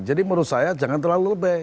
jadi menurut saya jangan terlalu lebih